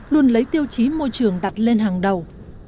luôn lấy tiêu chí môi trường đặt lên hàng đầu